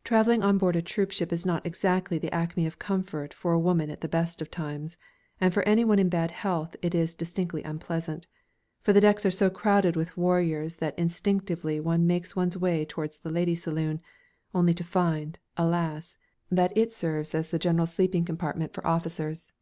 "_ Travelling on board a troopship is not exactly the acme of comfort for a woman at the best of times, and for anyone in bad health it is distinctly unpleasant, for the decks are so crowded with warriors that instinctively one makes one's way towards the ladies' saloon, only to find, alas! that it serves as the general sleeping compartment for officers.